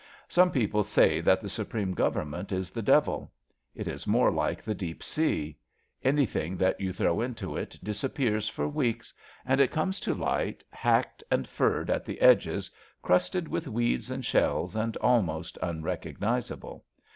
Some people say that the Supreme Government is the Devil. It is more like the Deep Sea. Any thing that you throw into it disappears for weeks, and comes to light hacked and furred at the edges, crusted with weeds and shells and almost un recognisable.